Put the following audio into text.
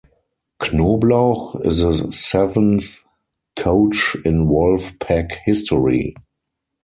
Knoblauch is the seventh coach in Wolf Pack history.